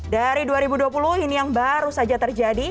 dari dua ribu dua puluh ini yang baru saja terjadi